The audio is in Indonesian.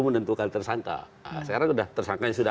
menentukan tersangka sekarang sudah